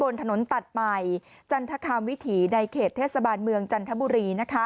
ถนนตัดใหม่จันทคามวิถีในเขตเทศบาลเมืองจันทบุรี